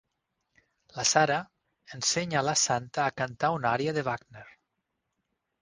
La Sarah ensenya la Santa a cantar una ària de Wagner.